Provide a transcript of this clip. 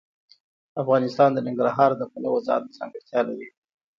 افغانستان د ننګرهار د پلوه ځانته ځانګړتیا لري.